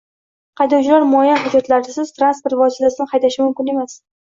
Haydovchilar muayyan hujjatlarisiz transport vositasini haydashi mumkin emas